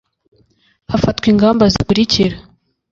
hafatwa ingamba zikurikira